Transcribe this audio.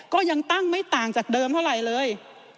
ก็ยังตั้งไม่ต่างจากเดิมเท่าไหร่เลย